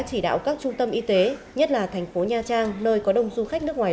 chỉ đạo các trung tâm y tế nhất là thành phố nha trang nơi có đông du khách nước ngoài